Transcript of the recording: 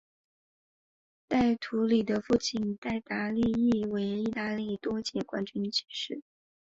戴图理的父亲戴达利亦为意大利多届冠军骑师。